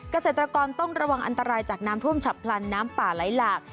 เกษตรกรต้องระวังอันตรายจากน้ำท่วมฉับพลันน้ำป่าไหลหลาก